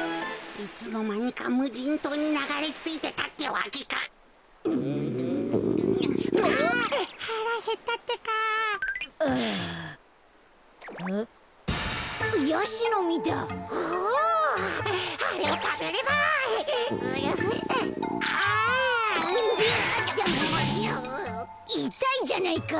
いたいじゃないか！